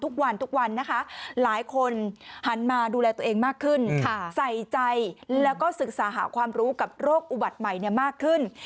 หลายคนรู้สึกว่าจะมาดูแลตัวเองมากขึ้นใส่ใจและศึกษาข่าวความรู้กับโรคอุบัติใหม่มากขึ้น